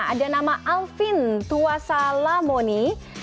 ada nama alvin tuasalamoni